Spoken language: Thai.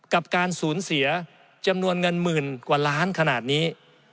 กับการสูญเสียจำนวนเงินหมื่นกว่าล้านขนาดนี้